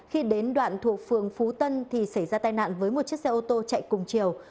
khi đến đoạn thuộc phường phú tân thì xảy ra tai nạn với một chiếc xe ô tô chạy cùng chiều